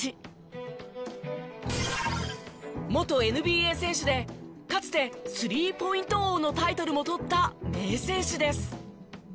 元ＮＢＡ選手でかつてスリーポイント王のタイトルも取った名選手です。